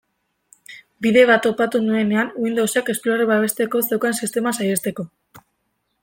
Bide bat topatu nuenean Windowsek Explorer babesteko zeukan sistema saihesteko.